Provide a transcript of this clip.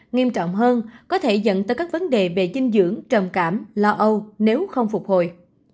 nghiêm trọng hơn có thể dẫn tới các vấn đề về dinh dưỡng trầm cảm lo âu nếu không phục hồi